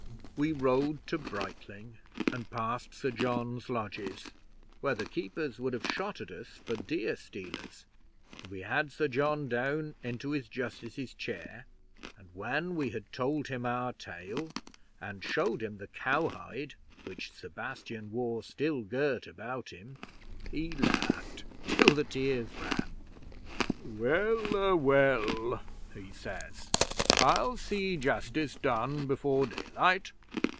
'We rode to Brightling, and past Sir John's lodges, where the keepers would have shot at us for deer stealers, and we had Sir John down into his Justice's chair, and when we had told him our tale and showed him the cow hide which Sebastian wore still girt about him, he laughed till the tears ran. '"Wel a well!" he says. "I'll see justice done before daylight.